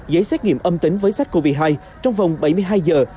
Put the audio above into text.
giấy xét nghiệm âm tính với sars cov hai trong vòng bảy mươi hai giờ